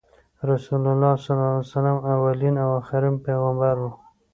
رسول الله ص اولین او اخرین پیغمبر وو۔